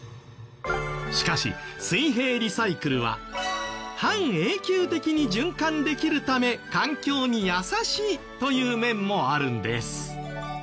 しかし水平リサイクルは半永久的に循環できるため環境に優しいという面もあるんです。